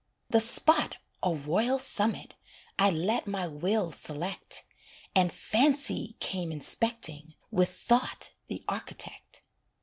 The spot, a royal summit, I let my will select, And Fancy came inspecting With Thought, the architect.